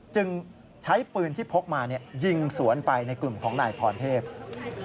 จึงใช้ปืนที่พกมายิงสวนไปในกลุ่มของนายพรเทพ